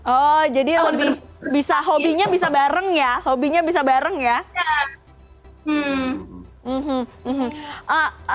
oh jadi hobinya bisa bareng ya